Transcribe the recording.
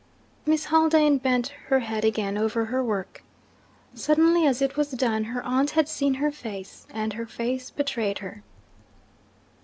Miss Haldane bent her head again over her work. Suddenly as it was done, her aunt had seen her face and her face betrayed her.